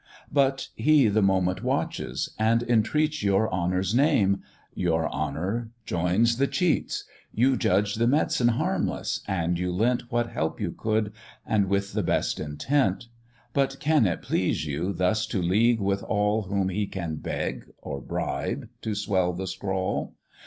But he the moment watches, and entreats Your honour's name, your honour joins the cheats; You judged the med'cine harmless, and you lent What help you could, and with the best intent; But can it please you, thus to league with all Whom he can beg or bribe to swell the scrawl?